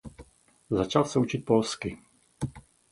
Začal se učit polsky.